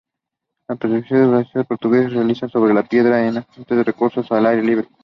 Los petroglifos galaico-portugueses están realizados sobre piedra, en afloramientos rocosos al aire libre.